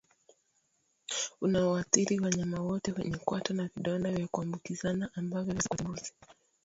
unaoathiri wanyama wote wenye kwato na vidonda vya kuambukizana ambavyo vinaweza kuathiri mbuzi